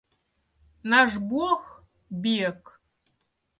Наш бог бег.